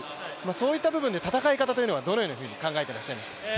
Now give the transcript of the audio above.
そういった部分で戦い方というのはどのように考えていらっしゃいましたか？